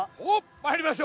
まいりましょう。